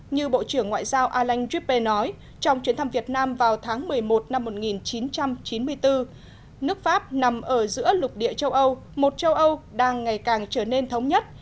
như bộ trưởng ngoại giao aland gibpe nói trong chuyến thăm việt nam vào tháng một mươi một năm một nghìn chín trăm chín mươi bốn nước pháp nằm ở giữa lục địa châu âu một châu âu đang ngày càng trở nên thống nhất